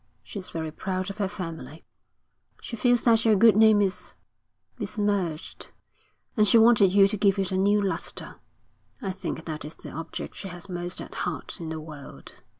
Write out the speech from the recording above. She's very proud of her family. She feels that your good name is besmirched, and she wanted you to give it a new lustre. I think that is the object she has most at heart in the world.